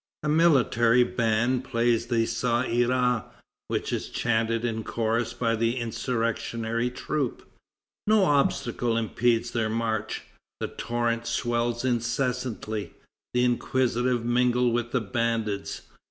A military band plays the Ça ira, which is chanted in chorus by the insurrectionary troop. No obstacle impedes their march. The torrent swells incessantly. The inquisitive mingle with the bandits.